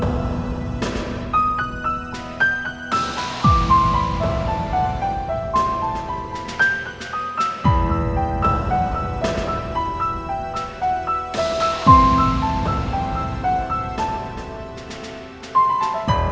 gak bisa hidup